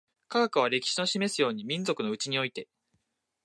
科学は、歴史の示すように、民族のうちにおいて